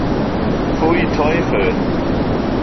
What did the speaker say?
Pfui, Teufel!